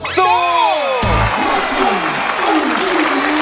สู้